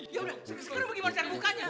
ya udah sekarang gimana caranya bukanya